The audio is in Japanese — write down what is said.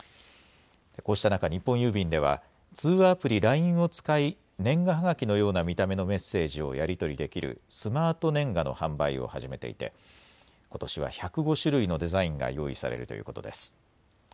こうした中、日本郵便では通話アプリ、ＬＩＮＥを使い年賀はがきのような見た目のメッセージをやり取りできるスマートねんがの販売を始めていて、ことしは１０５種類のデザインが用意されるということです。